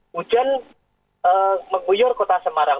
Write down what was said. hujan menguyur kota semarang